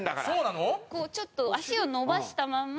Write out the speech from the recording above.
ちょっと足を伸ばしたまんま